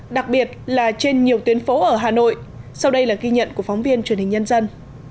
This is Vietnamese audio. đặc biệt là trên nhiều tuyến phố ở hà nội sau đây là ghi nhận của phóng viên truyền hình nhân dân